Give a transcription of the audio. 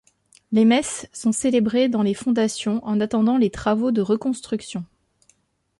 Les messes sont célébrées dans les fondations en attendant les travaux de reconstruction.